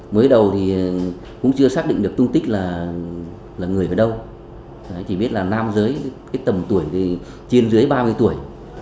mới đầu thì cũng chưa xác định được tung tích là người ở đâu chỉ biết là nam giới cái tầm tuổi thì trên dưới ba mươi tuổi